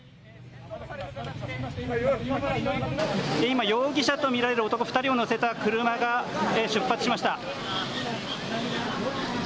今、容疑者と見られる男２人を乗せた車が出発しました。